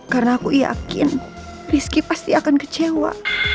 karena aku yakin rizky pasti akan kecewa